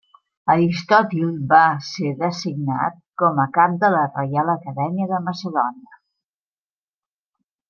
Aristòtil va ser designat com a cap de la Reial Acadèmia de Macedònia.